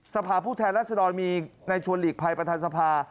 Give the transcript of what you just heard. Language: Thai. สภาพผู้แทนรัศดรมีในชวนหลีกภัยประธานสภา